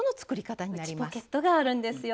内ポケットがあるんですよ。